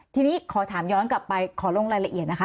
ทีนี้ขอถามย้อนกลับไปขอลงรายละเอียดนะคะ